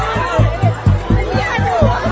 สวัสดีครับ